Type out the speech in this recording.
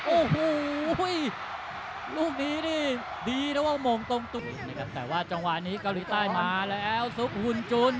โอ้โหลูกนี้นี่ดีนะว่าโมงตรงตุ๋นนะครับแต่ว่าจังหวะนี้เกาหลีใต้มาแล้วซุปหุ่นจุน